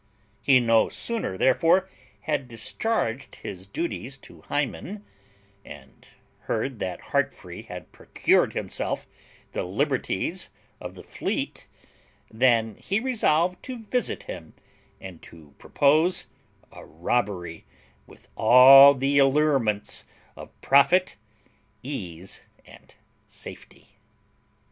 He no sooner therefore had discharged his duties to Hymen, and heard that Heartfree had procured himself the liberties of the Fleet, than he resolved to visit him, and to propose a robbery with all the allurements of profit, ease, and safety.